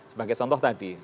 sebagai contoh tadi